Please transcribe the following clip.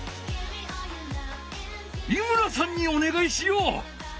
井村さんにおねがいしよう！